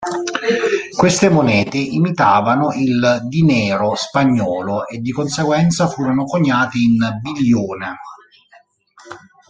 Queste monete imitavano il dinero spagnolo e di conseguenza furono coniate in biglione.